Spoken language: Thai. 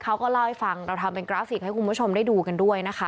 เขาก็เล่าให้ฟังเราทำเป็นกราฟิกให้คุณผู้ชมได้ดูกันด้วยนะคะ